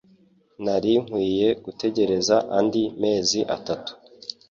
Nari nkwiye gutegereza andi mezi atatu